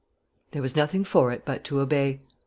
There was nothing for it but to obey.